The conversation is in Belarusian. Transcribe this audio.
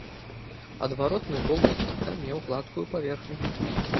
Адваротны бок знака меў гладкую паверхню.